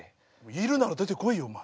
いるなら出てこいよお前。